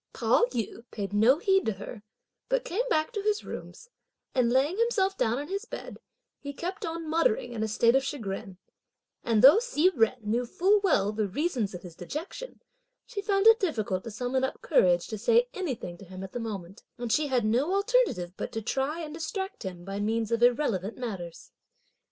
Pao yü paid no heed to her, but came back to his rooms, and laying himself down on his bed, he kept on muttering in a state of chagrin; and though Hsi Jen knew full well the reasons of his dejection, she found it difficult to summon up courage to say anything to him at the moment, and she had no alternative but to try and distract him by means of irrelevant matters.